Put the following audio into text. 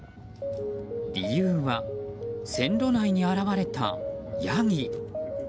理由は線路内に現れたヤギ。